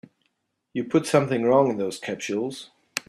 You put something wrong in those capsules.